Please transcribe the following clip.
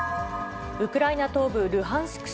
ウクライナ東部ルハンシク